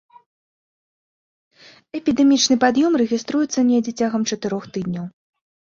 Эпідэмічны пад'ём рэгіструецца недзе цягам чатырох тыдняў.